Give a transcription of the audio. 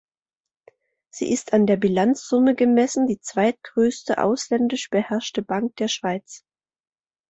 Sie ist an der Bilanzsumme gemessen die zweitgrösste ausländisch beherrschte Bank der Schweiz.